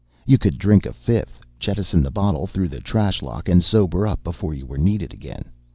You could drink a fifth, jettison the bottle through the trash lock, and sober up before you were needed again.